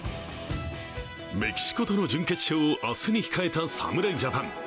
メキシコとの準決勝を明日に控えた侍ジャパン。